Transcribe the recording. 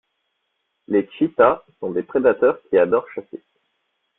Les Cheetahs sont des prédateurs qui adorent chasser.